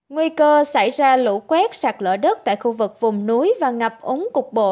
nguy cơ xảy ra lũ quét sạt lỡ đất tại khu vực vùng núi và ngập úng cục bộ